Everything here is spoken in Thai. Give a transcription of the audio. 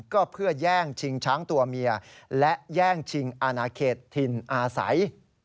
ก็เพื่อแย่งชิงช้างตัวเมียและแย่งชิงอาณาเขตถิ่นอาศัย